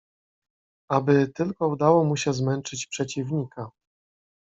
"Aby tylko udało mu się zmęczyć przeciwnika."